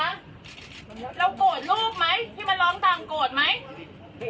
เรากดลูกไหมที่มันร้องต่างกดไหม